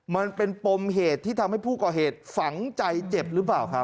มันเป็นปมเหตุที่ทำให้ผู้ก่อเหตุฝังใจเจ็บหรือเปล่าครับ